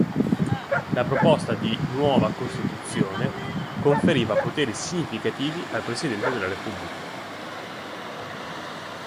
La proposta di nuova costituzione conferiva poteri significativi al Presidente della Repubblica.